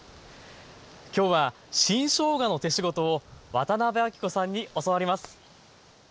今日は新しょうがの手仕事を渡辺あきこさんに教わります。